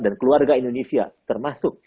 dan keluarga indonesia termasuk